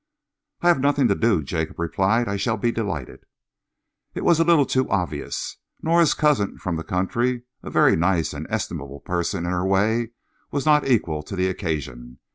"I have nothing to do," Jacob replied. "I shall be delighted." It was a little too obvious. Nora's cousin from the country, a very nice and estimable person in her way, was not equal to the occasion.